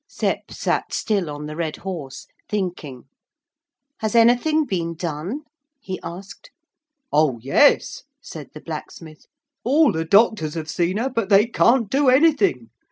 Sep sat still on the red horse thinking. 'Has anything been done?' he asked. 'Oh yes,' said the blacksmith. 'All the doctors have seen her, but they can't do anything.